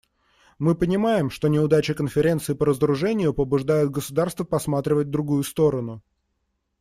Мы понимаем, что неудачи Конференции по разоружению побуждают государства посматривать в другую сторону.